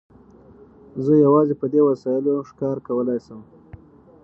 زه یوازې په دې وسایلو ښکار کولای شم.